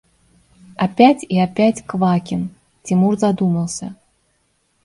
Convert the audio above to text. – Опять и опять Квакин! – Тимур задумался.